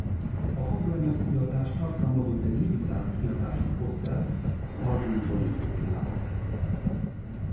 A hanglemez kiadás tartalmazott egy limitált kiadású posztert az album borítójával.